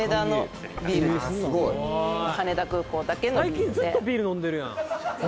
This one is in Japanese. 最近ずっとビール飲んでるやん